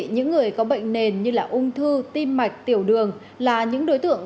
những người có bệnh nền như ung thư tim mạch tiểu đường là những đối tượng